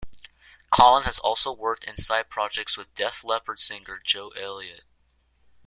Collen has also worked in side projects with Def Leppard singer Joe Elliott.